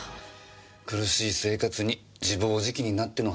苦しい生活に自暴自棄になっての犯行だとさ。